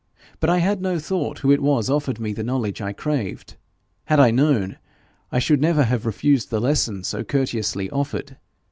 But I had no thought who it was offered me the knowledge I craved. Had I known, I should never have refused the lesson so courteously offered.